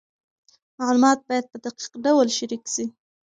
معلومات باید په دقیق ډول شریک سي.